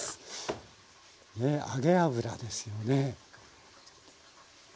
ねえ揚げ油ですよね。